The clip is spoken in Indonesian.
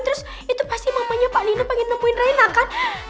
terus itu pasti mamanya pak lina pengen nemuin raina kan